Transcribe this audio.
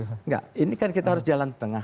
enggak ini kan kita harus jalan tengah